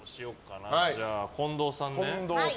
じゃあ近藤さんね。